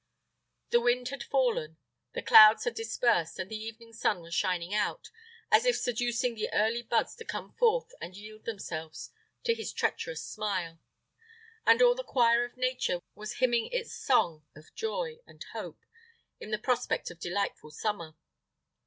The wind had fallen, the clouds had dispersed, and the evening sun was shining out, as if seducing the early buds to come forth and yield themselves to his treacherous smile, and all the choir of nature was hymning its song of joy and hope in the prospect of delightful summer.